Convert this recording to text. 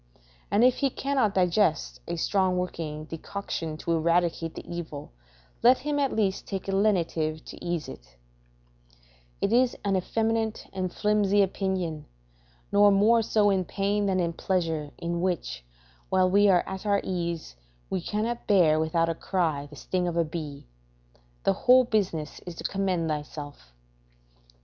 If he cannot digest a strong working decoction to eradicate the evil, let him at least take a lenitive to ease it: ["It is an effeminate and flimsy opinion, nor more so in pain than in pleasure, in which, while we are at our ease, we cannot bear without a cry the sting of a bee. The whole business is to commend thyself."